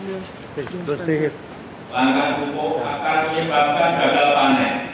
langkah pupuk akan menyebabkan gagal panen